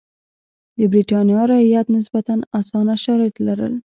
د برېټانیا رعیت نسبتا اسانه شرایط لرل.